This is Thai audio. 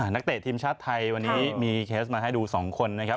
นักเตะทีมชาติไทยวันนี้มีเคสมาให้ดู๒คนนะครับ